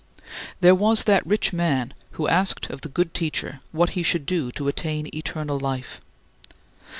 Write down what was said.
There was that rich man who asked of the good Teacher what he should do to attain eternal life.